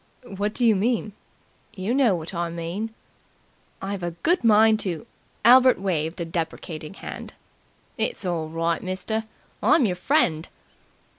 "What do you mean?" "You know what I mean." "I've a good mind to " Albert waved a deprecating hand. "It's all right, mister. I'm yer friend."